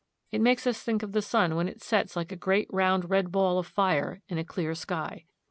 It makes us think of the sun when it sets like a great round red ball of fire in a clear sky.